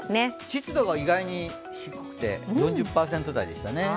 湿度が意外に低くて４０％台でしたね。